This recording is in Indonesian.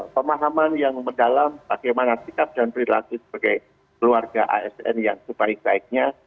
pemahaman yang mendalam bagaimana sikap dan perilaku sebagai keluarga asn yang sebaik baiknya